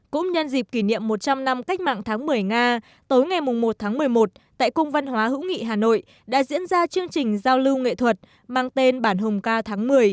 cũng nhân dịp kỷ niệm một trăm linh năm cách mạng tháng một mươi nga tối ngày một tháng một mươi một tại cung văn hóa hữu nghị hà nội đã diễn ra chương trình giao lưu nghệ thuật mang tên bản hùng ca tháng một mươi